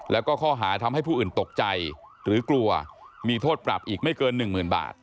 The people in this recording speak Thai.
แล้วก็ข้อหาทำให้ผู้อื่นตกใจหรือกลัวมีโทษปรับอีกไม่เกิน๑๐๐๐บาท